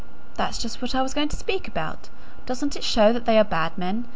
"That's just what I was going to speak about. Doesn't it show that they are bad men?